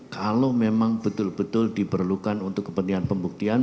kalau memang betul betul diperlukan untuk kepentingan pembuktian